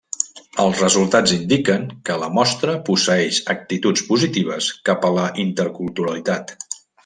Els resultats indiquen que la mostra posseeix actituds positives cap a la interculturalitat.